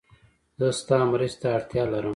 زه ستا مرستې ته اړتیا لرم